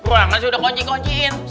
ruangan sih udah kocing kocingin